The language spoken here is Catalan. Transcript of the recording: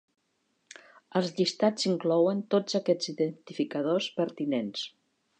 Els llistats inclouen tots aquests identificadors pertinents.